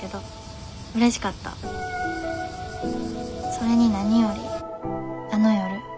それに何よりあの夜。